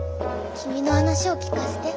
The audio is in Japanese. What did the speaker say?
君の話を聞かせて。